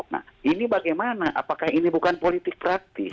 nah ini bagaimana apakah ini bukan politik praktis